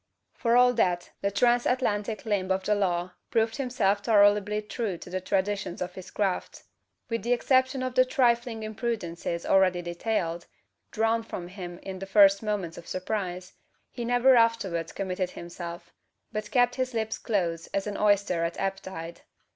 For all that, the transatlantic limb of the law proved himself tolerably true to the traditions of his craft. With the exception of the trifling imprudences already detailed drawn from him in the first moments of surprise he never afterwards committed himself; but kept his lips close as an oyster at ebb tide.